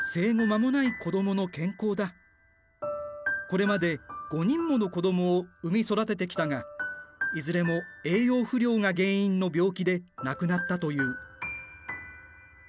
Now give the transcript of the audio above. これまで５人もの子どもを産み育ててきたがいずれも栄養不良が原因の病気で亡くなったという。